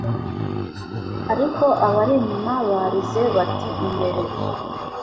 Ariko abari inyuma barize bati Imbere